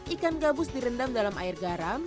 ikan gabus direndam dalam air garam